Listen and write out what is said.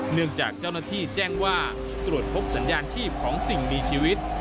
เนื่องจากเจ้าหน้าที่แจ้งว่าตรวจพบสัญญาณชีพของสิ่งมีชีวิต